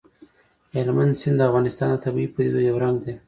هلمند سیند د افغانستان د طبیعي پدیدو یو رنګ دی.